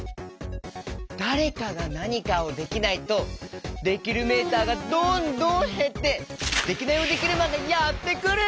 だれかがなにかをできないとできるメーターがどんどんへってデキナイヲデキルマンがやってくる！